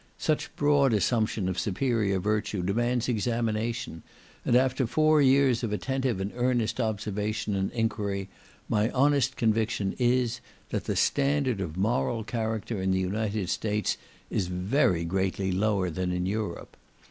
Such broad assumption of superior virtue demands examination, and after four years of attentive and earnest observation and enquiry, my honest conviction is, that the standard of moral character in the United States is very greatly lower than in Europe.